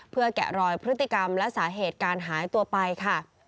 เพื่อแกะรอยพฤติกรรมและสาเหตุการหายตัวไปค่ะ